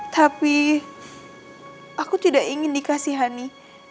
tapi aku tidak ingin dikasihani